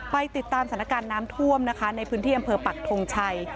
ไปติดตามสถานการณ์น้ำท่วมนะคะในพื้นที่อำเภอปักทงชัย